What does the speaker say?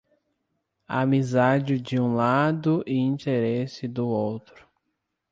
Amizade de um lado e interesse do outro.